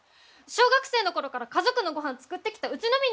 小学生の頃から家族のごはん作ってきたうちの身にもなって！